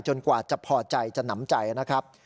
กว่าจะพอใจจะหนำใจนะครับ